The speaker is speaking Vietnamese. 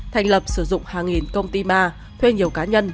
thành lập sử dụng hàng nghìn công ty ma thuê nhiều cá nhân